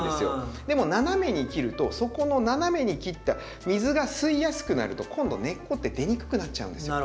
でも斜めに切るとそこの斜めに切った水が吸いやすくなると今度根っこって出にくくなっちゃうんですよ。